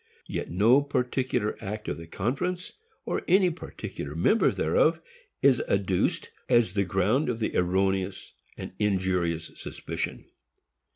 Yet no particular act of the conference, or any particular member thereof, is adduced, as the ground of the erroneous and injurious suspicion.